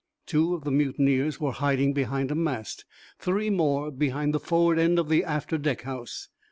Two of the mutineers were hiding behind a mast, three more behind the forward end of the after deck house.